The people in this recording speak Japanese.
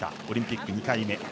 オリンピック２回目。